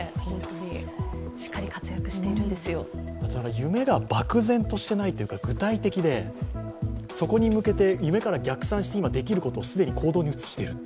夢が漠然としていないというか具体的でそこに向けて夢から逆算して今できることを既に行動に移している。